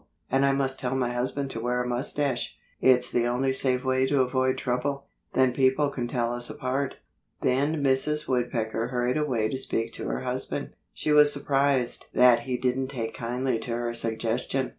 And I must tell my husband to wear a mustache. It's the only safe way to avoid trouble. Then people can tell us apart." Then Mrs. Woodpecker hurried away to speak to her husband. She was surprised that he didn't take kindly to her suggestion.